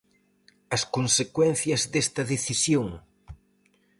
As consecuencias desta decisión?